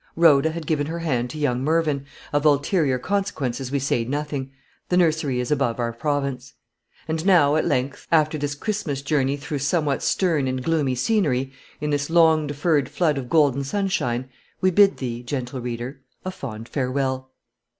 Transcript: Rhoda had given her hand to young Mervyn, of ulterior consequences we say nothing the nursery is above our province. And now, at length, after this Christmas journey through somewhat stern and gloomy scenery, in this long deferred flood of golden sunshine we bid thee, gentle reader, a fond farewell.